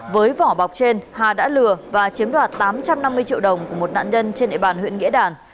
với vỏ bọc trên hà đã lừa và chiếm đoạt tám trăm năm mươi triệu đồng của một nạn nhân trên địa bàn huyện nghĩa đàn